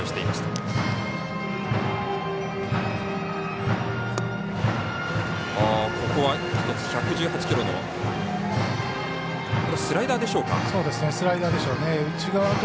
１１８キロのスライダーでしょうか。